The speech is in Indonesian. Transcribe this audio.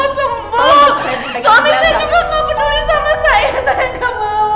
suami saya juga gak peduli sama saya